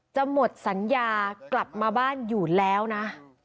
จะหมดสัญญากลับมาบ้านอยู่แล้วนะ